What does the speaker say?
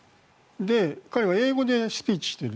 彼は英語でスピーチしている。